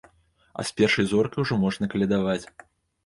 А з першай зоркай ужо можна калядаваць.